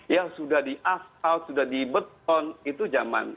ya sudah di as out sudah di beton itu zaman